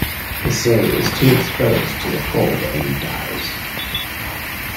Vasili is too exposed to the cold though and dies.